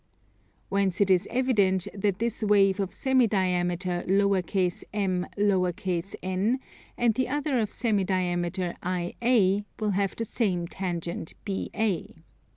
Whence it is evident that this wave of semi diameter mn, and the other of semi diameter IA will have the same tangent BA.